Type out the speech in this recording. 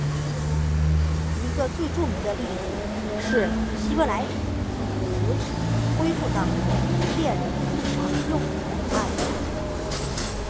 一个最著名的例子是希伯来语从死语恢复到以色列人日常用语的案例。